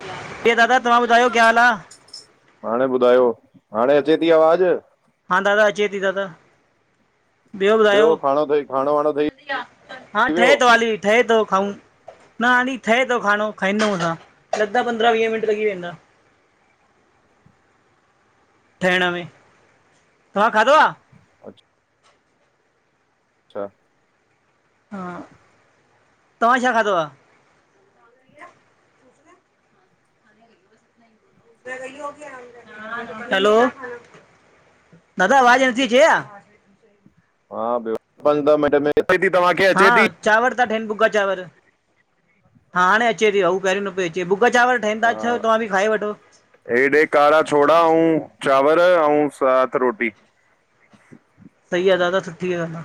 हा जय किऐं दादा तव्हां ॿुधायो क्या हाल आ? हाणे ॿुधायो, हाणे अचे थी आवाज़? हा दादा, अचे थी दादा। ॿियो ॿुधायो? खाणो ठही खाणो वाणो ठही हा वियो ठहे थो हाली, ठहे थो खाऊं न हालि ठहे थो खानो, खाईंदोउं असां, लॻदा पंद्रहां वीह मिंन्ट लॻी वेंदा ठहण में, तव्हां खाधो आ? अच्छा अच्छा हा, तव्हां छा खाधो आ? हलो, दादा आवाज़ न अचे थी छा? अस [inaudible] हा ॿियो, [inaudible] [unintelligible] हित थीीववा [unintelligible] हा चांवर था ठहन, भुॻा चांवर। हा हाणे अचे ती, पहरयूं न पई अचे, भुॻॻा चांवर ठहनि था, हा अच्चो तव्हां बि खाई वठो। हेॾे कारा छोड़ा अऊं चांवर अऊं साथ रोटी। सही आ दादा, सुठी ॻाल आ।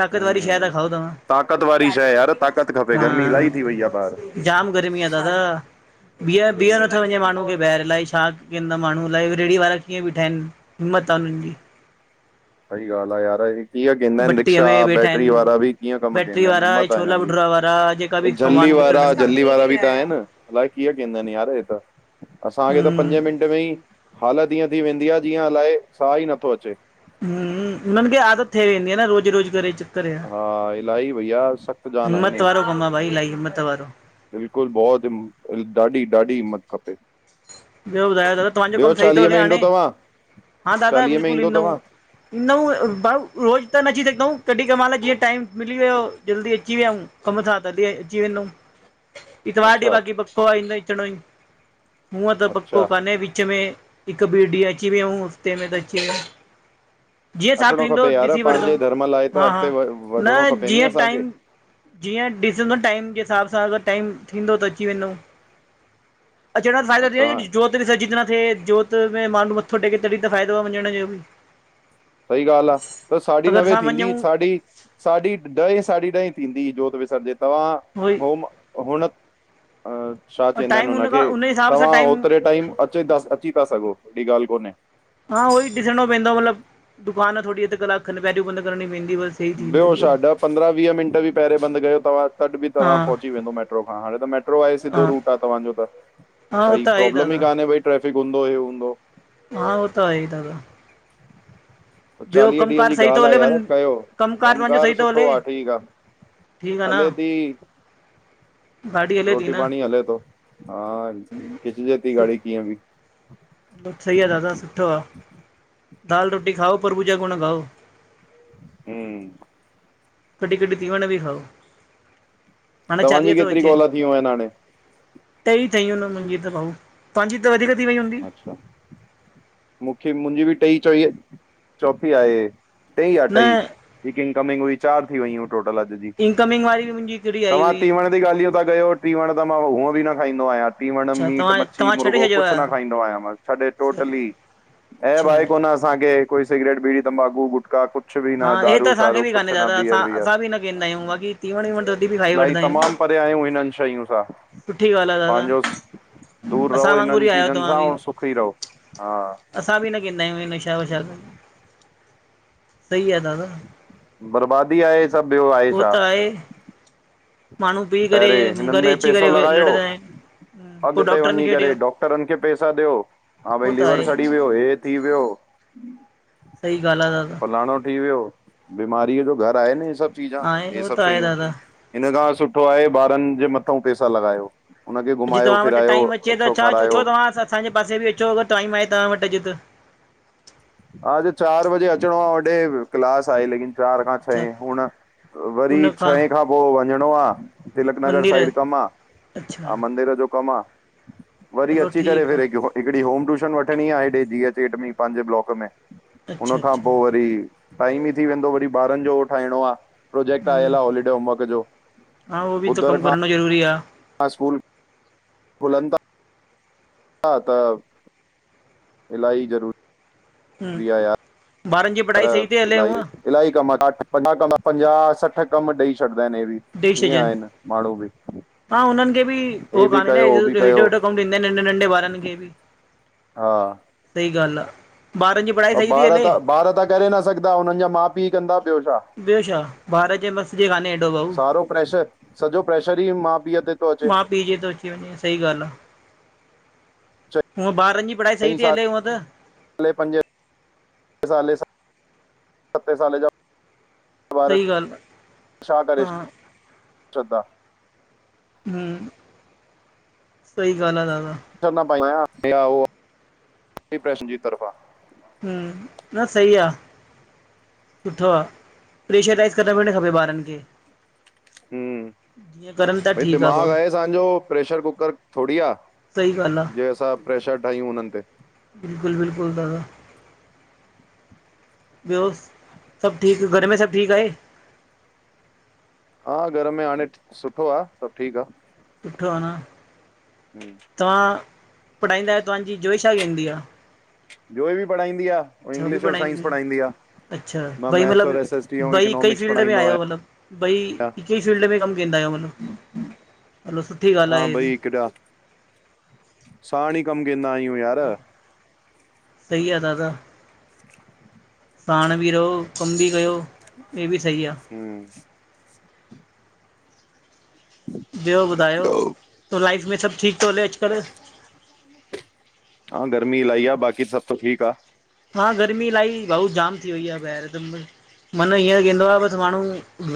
ताक़तवारी शै ता हम्म खाओ त्हां, ताक़त वारी शइ यार ताक़त खपे हा। गर्मी इलाही थी वई आहे ॿाहिर जाम गर्मी आ दादा, बीह बीह हम्म नथो वञे माण्हू खे ॿहिर अलाए छा कंदा माण्हू, अलाए रेड़ी वारा कीअं भीठा आहिन, हिम्मत आ उन्हनि जी। सइ ॻाल् आ यार कीअं कंदा आहिन भट्टीअ रिक्शा में वेठा बैटरी आहिनि। वारा बि, कीअं कम बैटरी कंदा आहिन, वारा हिम्मत आ छोला हिनन भटूरा वारा जेका जी। बि झल्ली सामान वारा, विकिणनि था। झल्ली वारा बि त आहिन। अलाए कीअं कंदा आहिन यार हे त, असांखे त हम्म पंजे मिंट हालत ईअं थी वेंदी आ, जीअं अलाए साह ई नथो अचे। उ हुननि खे आदत थिए वेंदी आ न, रोज़ु रोज़ करे करे, हा इलाही भैया सख़्तु जान आहिनि हिम्मत वारो कमु आ भाई, इलाही हिम्मत वारो। बिल्कुलु बहुत हि, ॾाढी- ॾाढी हिम्मत खपे। ॿियो ॿुधायो दादा, तव्हांजो ॿियो कमु सही थो चालीहे हले में ईंदो हाणे? तव्हां हा दादा चालीहे में बिल्कुलु ईंदो ईंदऊं। तव्हां ईंद भाऊ रोज़ त न अची सघंदूं, कॾहिं कहिं मइल जीअं टाइम मिली वियो जल्दी अची वियायूं। कमु था, तॾ अची वेंदोम, इतवार अच्छा ॾीह बाक़ी पक्को आ अचणो ई। हुअं त पको अच्छा कान्हे, विच में हिक ॿिये डींह अची वियूँ हफ़्ते में त अची वियूं। जीअं साफ़ अचिणो ईंदो, खपे यार ॾिसी वठंदउ, पंहिंजे धर्म लाइ त हा हा अॻिते व- वधिणो न खपे नी जीअं असांखे टाइम जीअं ॾिसंदो न टाइम जे हिसाब सां, अगरि टाइम थींदो त अची वेंदोम। अ जहिड़ा [unintelligible] हा तव्हां जोत बि सजी तरह थ्ये, जोत में माण्हू मथो टेके, तॾिहिं त फ़ाइदो आ वंञण जो ॿि। सही ॻाल्हि आ, त साढी नवें वञूं थींदी, साढी साढी ॾहें, साढी ॾहें थींदी जोत विसरजित, तव्हां उहोई होम हुण छा और चवंदा आहिन टाइम हुन खां हुनखे, हुन हिसाब सां तव्हां टाइम ओतिरे टाइम अची थ, अची था सघो, हेॾी ॻाल्हि कोन्हे। हा उहो ई ॾिसणो पवंदो मतलब दुकान थोड़ी, अध कलाकु खनि पहिरियों बंदि करणी पइंदी बस। ॿियो छा, ॾह पंद्रहं वीह मिंट बि पहिरियोें बंदि कयो तव्हां, तॾि बि हा तव्हा पहुची वेंदो मेट्रो खां, हाणे त मट्रो आहे, हा सिद्धो रुट आ तव्हांजो त, हा हो भइ त आहे प्रोब्लम ई दादा कान्हे भइ ट्रेफिक हूंदो हे हूंदो। हा, उ त आहे दादा। ॿियो चालीह ॾींहंन कमकार जी सही थो ॻाल्ह आ हले बं यार कयो, कमकार कम तव्हांजो कार सही थो सुठो हले आ, ठीक आ। ठीकु आ न हले ती, गाॾी हले थी रोटी न पाणी हले तो। हा, खिचजेती गाड़ी कीअं ॿि। सही आ दादा सुठो आ, दाल रोटी खाओ, प्रभु जा गुण ॻाओ। हूं कॾी कॾी, तीवण ॿि खाओ। हाणे तव्हांजी चालीह थो केतरी अचे कॉलां, थी व्यूं एन हाणे? टई ठयूं इन मुंजी त भाऊ, तांजी त वधीक थी वई हूंदी। मूखे, मुंजी बि टईं चईं, चौथी आहे हे। टेईं आ न टई, हिक इंनकमिंग हुई, चार थी वयूं टोटल अॼ जी। इनकमिंग वारी मुंजी हिकड़ी आई हुई। सुठी ॻाल्हि हीअ ता कयो, टीवण त मां हूअं ॿि न खाईंदो आयां, टीवण, अच्छा मीट, तव्हां मच्छी, तव्हां छॾे मुर्गो छॾियो कुछ कुछ न आहे खाईंदो आयां, छॾे टोटली, ऐब अच्छा आए कोन असां असांखे कोई सिगरेट, बीड़ी, तंबाकू गुटका कुु कुछ बि हा न, हे त दारू असांखे शारू बि कुछ कान्हे न, दादा बियर असां वियर असां बि न कंदा हा, आहियूं बाक़ी तीवण वीवण तॾहिं बि खाई इलही वठंदा आहियूं तमाम परे आहयूं, इनन शयुंन सां, सुठी ॻाल्हि आहे दादा पांजो दूर असां रहो वांगुर ई इनन आहियो तव्हां सां, बि और सुखी रहो, हा असां बि न केदा आयूं, ए नशा वशा त, सही आ दादा। बर्बादी आहे हे सभ, ॿयो आहे उहो छा। त आहे माण्हू पी करे पहिरें, हिनन घरु में अची पेसो करे लॻायो लड़ंदा आहिनि पोइ अॻते डॉक्टरनि वञी खे करे, ॾियो डॉक्टरन खे पेसा ॾयो, हा भई उहो त लीवर आहे सड़ी व्यो, हे थी व्यो। सही ॻाल आ दादा। फ्लाणो थी व्, यो बीमारीअ जो घर आहे न हे सभ चीजां, आहे हे उहो सभ त आहे शयूं। दादा हिन खां सुठो आहे, ॿारन जे मथऊं पेसा लॻायो। हुनखे अॼु घुमायो, तव्हां वटि फिरायो, टाइम अचे त अच्छो छा खारायो। अचो तव्हां असांजे पासे बि अचो, अगर टाइम आहे तव्हां वटि अॼु त। हा, अॼ चार बजे अचणो आ, होॾे क्लास आहे लेकिन। चार खां अच्छा छहें, हुण वरी छहे खां पो, वञणो आ। तिलक नगर मंदिर है। साइड कम आ, अच्छा मंदिर जो कम आ। वरी हलो अची करे, ठीकु फिर आहे हिकड़ी होम ट्यूशन वठणी आ, हेेॾे डी, एच, एट में पांजे ब्लॉक में, हुन अच्छा खां अच्छा पो वरी, टाइम ई थी वेंदो वरी ॿारन जो हो ठाइणो आ। प्रोजेक्ट हम्म आयल आ, होलीडे होमवर्क जो, हा उहो बि त ॿुधर कमु खां करणो ज़रूरी आ। अस्कूल खुलन ता। हा, त इलाही ज़रूरी हूं, आहे ॿारन जी पढ़ाई सही ती यार हले इलाही हूअं। इलाही कम, वॾा कम, पंजाह कम, पंजाह सठ कम ॾई छॾदा एन इहे बि। ॾेई ईअं छॾयन, आहिनि माण्हू बि हा हुनन खे बि हे हो बि कान्हें न, कयो हो बि हेॾो कयो वॾो कम ॾेंदइ, नंढ़े नंढ़े ॿारन खे बि। हा सही ॻाल्ह आ, ॿारन जी पढ़ाई सही थी ॿार हले त ॿार त करे न सघदा, हुननि जा माउ पीउ कंदा ॿियो छा? ॿियो छा? ॿारन जे मस जी कान्हे हेॾो भाऊ, सारो प्रेशर सॼो प्रेशर ई माउ पीउ ते, थो अचे माउ पीउ जे तो अची वञे सही ॻाल्हि आ, हूअ ॿारनि जी पढ़ाई सही ती हले, उअं त, पंज साल सत साले ज सही ॻाल्हि [unintelligible] छा करे आहे हा श्रधा [unintelligible] हम्म- सही ॻाल्हि आ दादा, छ प या ड्रे जी [unintelligible] हं न सही आ, सुठो आ, प्रेशराइज़ करणु भी न खपे ॿारनि खे, हम्म, जीअं करनि था भई ठीकु भाऊ दिमाग़ु आहे असांजो प्रेशर कुकर थोड़ी आ, सही ॻाल्हि जे असां प्रेशर ठाहियूं हुननि ते। बिल्कुलु- बिल्कुलु दादा। ॿियो सभु ठीकु घर में सभु ठीकु आहे? हा घर में हाणे सुठो आ, सभु ठीकु आ। सुठो आ न। हम्म [inaudible] तव्हां पढ़ाईंदा आहियो, तव्हांजी जोइ छा कंदी आ? जोए बि पढ़ाईंदी आ। उह अच्छा उ बि इंग्लिश और साइंस पढ़ाईंदी आ, अच्छा मां बई मैथ्स और मतलब एस एस टी ऐं बई हिकई इकोनॉमिक्स फील्ड में पढ़ाईंदो आयो मतलब। भई आहियां हिक ई फील्ड में कम केंदा आयो मतलब, हलो सुठ हा, बई हिकॾा साण ई कम केंदा आहियूं यार। बि सही आ दादा। [inaudible] पाण बि रहो कम बि कयो हे बि सही आ। हम्म ॿियो ॿुधायो? तो लाइफ में सभ ठीक तो हले अॼ कल, [inaudible] हा गर्मी इलाही आ, बाक़ी सभ त ठीक आ। हा, गर्मी इलाही भाऊ जाम थी वई आ, ॿाहर त, मन हीअं केंदो आ बस माण्हू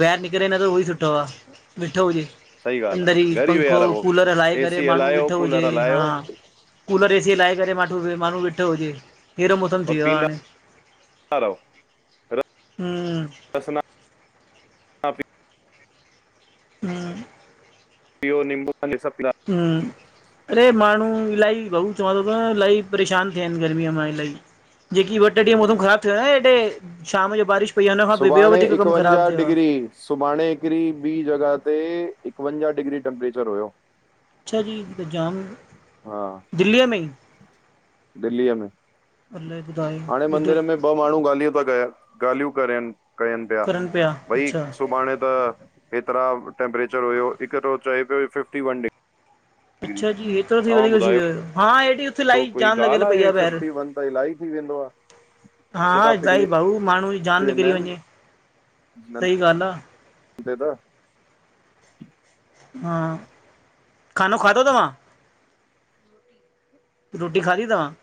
ॿाहिर निकरे न त उहो ई सुठो आ वेठो हुजे, सही ॻाल्हि अंदर ई आ घर विया पंखो रहो कूलर हलाए करे एसी माण्हू हलायो वेठो हुजे, कूलर हा। हलायो कूलर एसी हालाए करे माटू माण्हू वेठो हुजे, एडो मौसम थी वियो आहे हाणे हम्म [unintelligible] हम्म पियो नींबू पानी सब हम्म अड़े माण्हू इलाही भाऊ चवंदा तव इलाही परेशान थिया आहिन गर्मीअ मां इलाही। जेकी ॿ ट्रे ॾींहं हम्म मौसम ख़राब थियो आ न हेॾे शाम जो बारिश पई आ हुन खां पो ॿयो सुभाणे वधीक कम ख़राब एकवंजाह थियो आ। डिग्री सुभाणे हिकड़ी ॿी जॻह ते एकवंजा डिग्री टेम्परेचर हुयो। अच्छा जी त जाम हा दिल्लीअ में ई। दिल्लीअ में, अलाए ॿुधायो हाणे एॾो मंदिर में ॿ माण्हू ॻाल्हियूं ॿ गया ॻाल्हियूं करेन, कयनि पिया, करनि भई अच्छा सुभाणे त हेतरा टैमपरेचर हुयो, हिक तो चए पयो फिफ्टी वन डिग् अच्छा जी हेतरो थी वधीक थी वयो आ, हा हेॾी ॿियो इलाही कोई जाम ॻाल लॻियल पई आहे ॿाहिरि फिफ्टी वन त इलाही थी वेंदो आ। हा ईलाइ भाऊ माण्हू जी जान वेंदा निकरी आहिनि वञे, सही ॻाल आ। दे त हा, खानो खादो तव्हां? रोटी खादी तव्हां?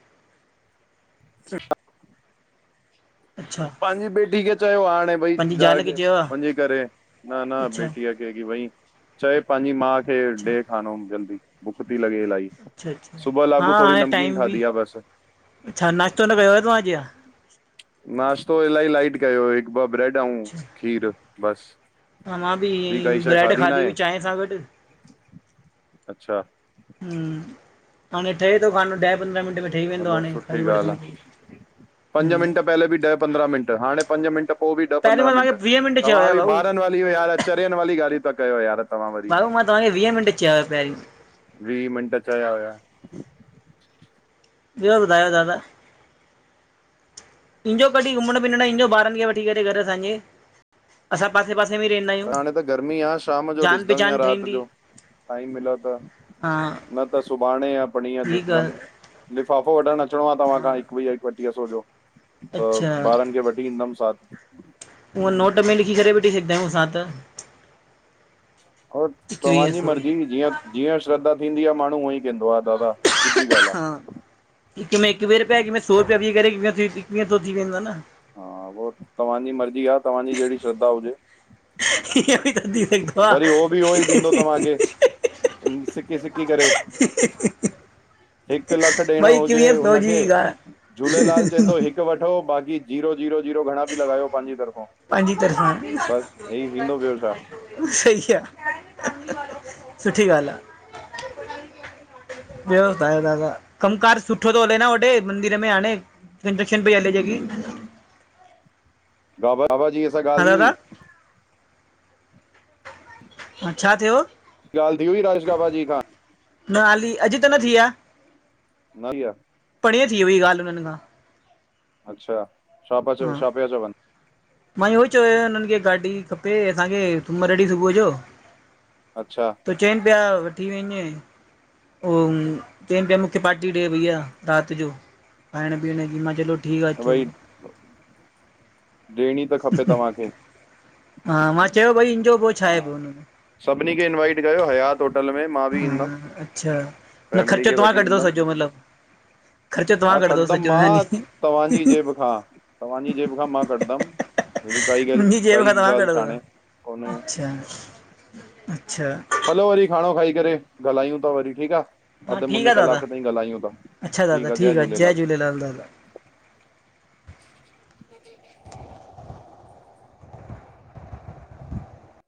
[unintelligible] अच्छा। पांजी बेटी खे चयो हाणे भई पंहिंजी ज़ाल खे ज चयो आहे वञी करे न न अच्छा बेटी भई चए पांजी मां खे अच्छा डे खानो जल्दी भुख ती लॻे इलाही। अच्छा अच्छा सुबह लाकु थोड़ी नमकीन खादी आ बस। छा, नाश्तो न कयो आ तव्हां अज छा? नाश्तो इलाही लाईट कयो हो, हिक ॿ ब्रेड अऊं अच्छा खीर बस। हा मां बि हियई ब्रैड खाधी हुई चाय सां गॾ। अच्छा। हम्म, हाणे ठहे तो खानो ॾह पंद्रहं मिंट में ठही वेंदो हलो हाणे खाई सुठी ॻाल्हि वठदुम। आहे पंज मिंट पहले बि ॾह पंद्रहां मिंट, हाणे पंज मिंट पो बि ॾह पहिरीं पंद्राहं मां तव्हांखे मिंट, वीह चयो तव्हां हुया बि भाऊ ॿारन वारी इहो यार चरयन वारी ॻालयू ता कयो यार तव्हां वरी। भाऊ मां ताहांखे वीह मिंट चया हुया पेहरीं। वीह मिंट चया हुया। ॿयो ॿुधायो दादा? इंजो कॾी घुमण फिरण इंजो ॿारन खे वठी करे घर असांजे। असां पासे पासे में ई रहंदा आयूं, हाणे त गर्मी आहे शाम जो जान ॾिसंदमि या पहचान राति ठहींदी। जो टाइम मिलो त हा न त सुभाणे या पणीह ठीकु आहे डीसदम। लिफ़ाफ़ो वठणु अचिणो आ तव्हां हा खां, इकवीह एकटीह सौ जो। त अच्छा ॿारनि खे वठी ईंदमि साथ। हुंअ नोट में लिखी करे बि ॾेई सघंदा आहियूं असां त। हो एकवीह तव्हांजी सौ मर्ज़ी जीअं, जीअं श्रद्धा थींदी आ माण्हू उअई कंदो आ दादा, सिधी गाल आ। हिकु में एकवी रुपया, हिकु में सौ रुपया विझी करे, एकवीह सौ थी वेंदा न। हा हुओ तव्हांजी मर्जी आ, तव्हांजी जहिड़ी श्रद्धा हुजे। इअ बि थी सघंदो आ। हिनि सिकी-सिकी करे हिकु लख ॾियणो भई हुजे एकवीह सौ जी हुनखे, ॻाल्हि झूलेलाल चय तो हिकु वठो बाक़ी ज़ीरो-जीरो-जीरो घणा बि लॻायो पांहिंजी तरफ़ा, पंहिंजी तरफ़ां बसि हे ही थींदो ॿियो छा। सही आ, सुठी ॻाल्हि आहि। ॿियो ॿुधायो दादा, कम कार सुठो थो हले न होॾे, मंदिर में हाणे। इंजेक्शन पई हले ज़ेकी। बाबा! बाबा जी सां हा ॻाल्हि थी दादा हुई। हा छा थियो? गाल्हि थी हुई, राजेश बाबा जी खां? न हाली, अॼु त न थी आ। न थी आ। परीय थी हुई ॻाल्हि हुननि खां। अच्छा, छा पा चव, हा छा पया चवन? मां इहो ई चयो हुननि खे, गाॾी खपे असांखे, सूमरु ॾिंह सुबुह जो। अच्छा! त चइनि पिया, वठी वञजईं। ओ म चयनि पिया, मूंखे पार्टी ॾे भईया, रात जो। खाइण-पीअण जी, मां च लो। [unintelligible] तहिंखां पो तव्हांखे, हा मां चयो भई हिनजो पोइ छा हा! आहे पोइ हुन में सभिनी खे इनवाइट कयो, हयात होटल में। मां बि ईंदमि, हा अच्छा न फैमली ख़र्चो खे तव्हां वठी कढंदो ईंदमि। सॼो मतिलबु ख़र्चो तव्हां हा कढंदो कढदमि सॼो मां, हानी तव्हां पंजी जेब खां, तव्हांजी जेब खां मां कढंदमि। मुंहिंजी जेब ख़ां तव्हां कढंदव? कोन्हे अच्छा-अच्छा! हलो वरी खाणो खाई करे, ॻाल्हायूं ता वरी ठीकु आह। हा अध ठीकु मुने आहे दादा कलाक ताईं ॻाल्हायूं था, अच्छा दादा ठीकु आ जय आहे झूलेलाल। दादा